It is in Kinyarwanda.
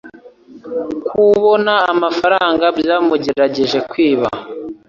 Kubona amafaranga byamugerageje kwiba.